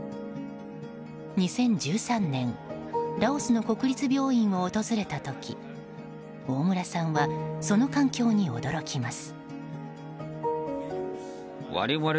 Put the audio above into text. ２０１３年ラオスの国立病院を訪れた時大村さんはその環境に驚きます。